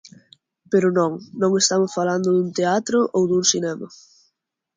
Pero non, non estamos falando dun teatro ou dun cinema.